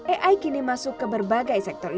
ai kini masuk ke dalam sistem ai